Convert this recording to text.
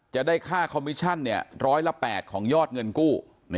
จะได้ค่าคอมมิชั่นร้อยละ๘ของยอดเงินกู้